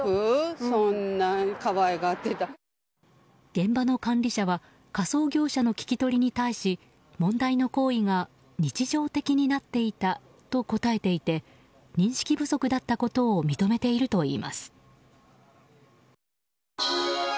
現場の管理者は火葬業者の聞き取りに対し問題の行為が日常的になっていたと答えていて認識不足だったことを認めているといいます。